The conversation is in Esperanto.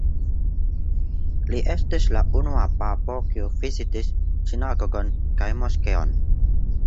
Li estis la unua papo, kiu vizitis sinagogon kaj moskeon.